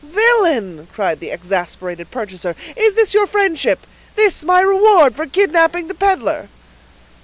"Villain!" cried the exasperated purchaser, "is this your friendship—this my reward for kidnapping the peddler?"